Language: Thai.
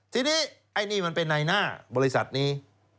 ทีนี้ไอ้นี่มันเป็นในหน้าบริษัทนี้